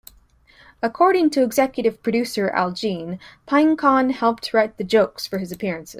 According to executive producer Al Jean, Pynchon helped write the jokes for his appearances.